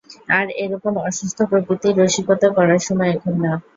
আর, এরকম অসুস্থ প্রকৃতির রসিকতা করার সময় এখন না!